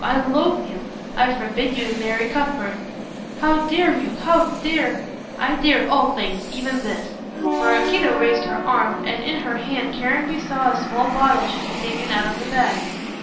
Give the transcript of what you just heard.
I loathe you! I forbid you to marry Cuthbert." "How dare you how dare " "I dare all things even this." Maraquito raised her arm, and in her hand Caranby saw a small bottle she had taken out of the bag.